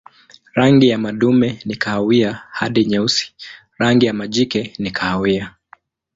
Rangi ya madume ni kahawia hadi nyeusi, rangi ya majike ni kahawia.